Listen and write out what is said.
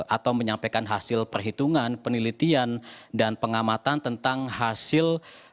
atau menyampaikan hasil perhitungan penelitian dan pengamatan tentang hasil